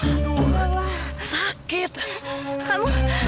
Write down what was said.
kamu kamu tuh kenapa sih san